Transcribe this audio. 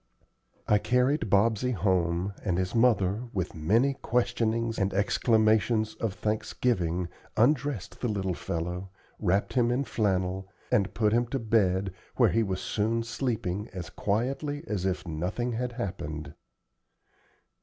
I carried Bobsey home, and his mother, with many questionings and exclamations of thanksgiving, undressed the little fellow, wrapped him in flannel, and put him to bed, where he was soon sleeping as quietly as if nothing had happened.